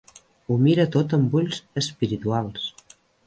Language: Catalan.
Ho mira tot amb ulls espirituals.